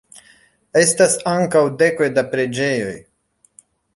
Estas ankaŭ dekoj da preĝejoj.